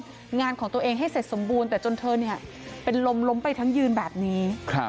การทำงานของตัวเองให้เสร็จสมบูรณ์แต่ว่าเธอเนี่ยเป็นลมไปทั้งยืนแบบนี้